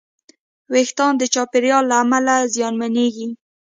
وېښتيان د چاپېریال له امله زیانمنېږي.